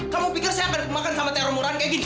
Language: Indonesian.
kamu pikir saya akan makan sama teror murahan kayak gini